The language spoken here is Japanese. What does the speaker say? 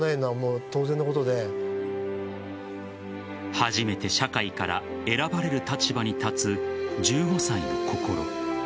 初めて社会から選ばれる立場に立つ１５歳の心。